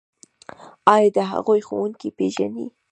ایا د هغوی ښوونکي پیژنئ؟